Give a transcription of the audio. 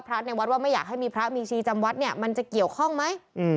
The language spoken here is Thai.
ในวัดว่าไม่อยากให้มีพระมีชีจำวัดเนี่ยมันจะเกี่ยวข้องไหม